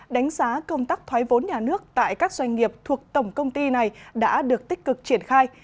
đánh giá công tác thoái vốn nhà nước tại các doanh nghiệp thuộc tổng công ty này đã được tích cực triển khai